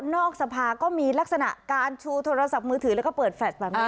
สภาก็มีลักษณะการชูโทรศัพท์มือถือแล้วก็เปิดแฟลชแบบนี้